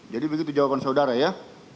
begitu jawaban saudara ya